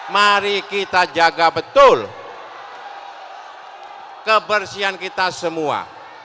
mari kita jaga betul kebersihan kita semua